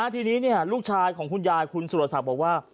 ทีนี้ลูกชายของคุณยายคุณสุรศักดิ์บอกว่า